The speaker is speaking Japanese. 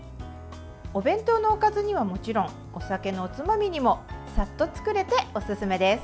お弁当のおかずにはもちろんお酒のおつまみにもさっと作れておすすめです。